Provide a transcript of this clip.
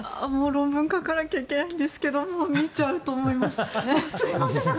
論文書かなきゃいけないんですけど見ちゃうと思います。